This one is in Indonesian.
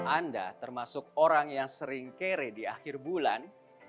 anda termasuk orang yang sering kere di akhir bulan